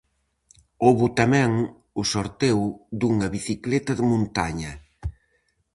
Houbo tamén o sorteo dunha bicicleta de montaña.